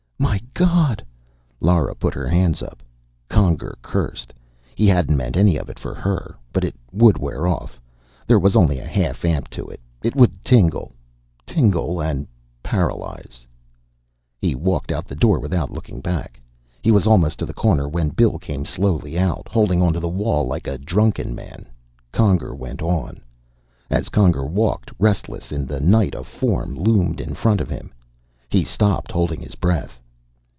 "My God " Lora put her hands up. Conger cursed. He hadn't meant any of it for her. But it would wear off. There was only a half amp to it. It would tingle. Tingle, and paralyze. He walked out the door without looking back. He was almost to the corner when Bill came slowly out, holding onto the wall like a drunken man. Conger went on. As Conger walked, restless, in the night, a form loomed in front of him. He stopped, holding his breath.